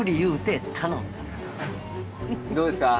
どうですか？